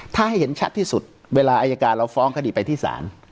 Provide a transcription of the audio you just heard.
ถ้าให้เห็นชัดที่สุดเวลาอายการเราฟ้องคดีไปที่ศาล